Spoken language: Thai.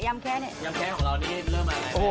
ยำแคะของเรานี่เริ่มอะไรแม่